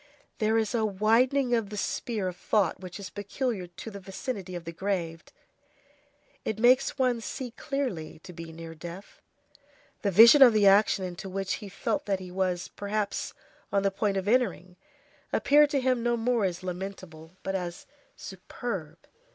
There is a widening of the sphere of thought which is peculiar to the vicinity of the grave; it makes one see clearly to be near death. The vision of the action into which he felt that he was, perhaps, on the point of entering, appeared to him no more as lamentable, but as superb.